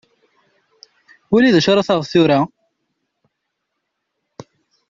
Wali d acu ara taɣeḍ tura.